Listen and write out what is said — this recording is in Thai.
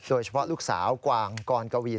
โดยเฉพาะลูกสาวกวางกรกวี